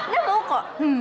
gak mau kok